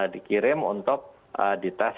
dikirim untuk di tes